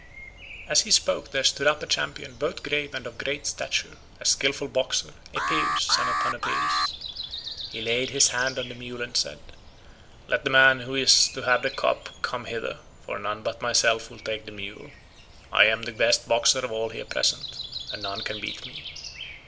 As he spoke there stood up a champion both brave and of great stature, a skilful boxer, Epeus, son of Panopeus. He laid his hand on the mule and said, "Let the man who is to have the cup come hither, for none but myself will take the mule. I am the best boxer of all here present, and none can beat me.